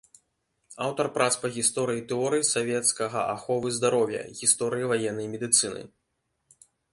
Аўтар прац па гісторыі і тэорыі савецкага аховы здароўя, гісторыі ваеннай медыцыны.